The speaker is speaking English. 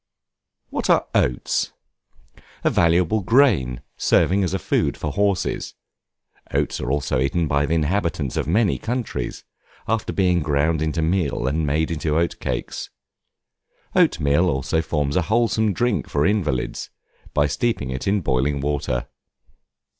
What are Oats? A valuable grain, serving as food for horses. Oats are also eaten by the inhabitants of many countries, after being ground into meal and made into oat cakes. Oatmeal also forms a wholesome drink for invalids, by steeping it in boiling water.